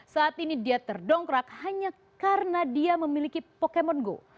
saat ini dia terdongkrak hanya karena dia memiliki pokemon go